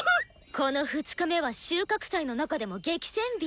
この２日目は収穫祭の中でも激戦日！